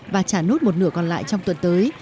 và trả nốt một nửa còn lại trong tuần tới